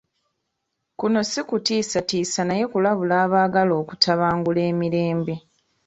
Kuno si kutiisatiisa naye kulabula abaagala okutabangula emirembe.